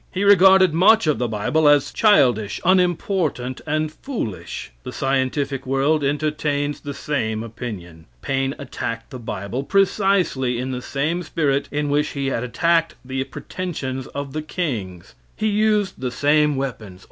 He regarded much of the Bible as childish, unimportant and foolish. The scientific world entertains the same opinion. Paine attacked the Bible precisely in the same spirit in which he had attacked the pretensions of the kings. He used the same weapons.